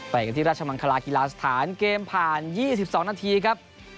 ไปกันที่ราชมังคลาฮิลาสถานเกมผ่านยี่สิบสองนาทีครับ